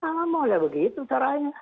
ah mau udah begitu caranya